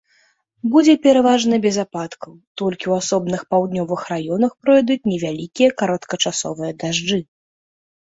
Будзе пераважна без ападкаў, толькі ў асобных паўднёвых раёнах пройдуць невялікія кароткачасовыя дажджы.